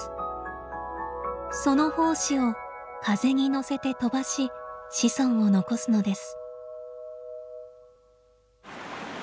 その胞子を風に乗せて飛ばし子孫を残すのです。